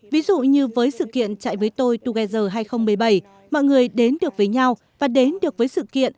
ví dụ như với sự kiện chạy với tôi tuguezer hai nghìn một mươi bảy mọi người đến được với nhau và đến được với sự kiện